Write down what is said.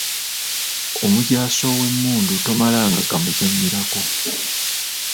Omujaasi ow’emmundu tomalanga gamuzannyirako.